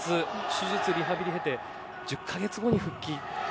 手術、リハビリを経て１０か月後に復帰。